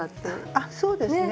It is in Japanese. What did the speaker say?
あっそうですね。